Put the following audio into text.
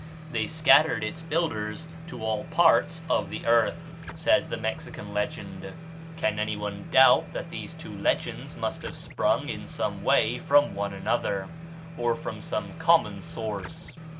"They scattered its builders to all parts of the earth," says the Mexican legend. Can any one doubt that these two legends must have sprung in some way from one another, or from some common source?